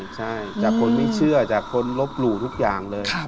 ใช่จากคนที่เชื่อจากคนลบหลู่ทุกอย่างเลย